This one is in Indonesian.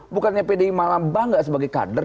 bukannya pdi malah bangga sebagai kader